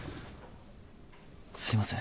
すいません。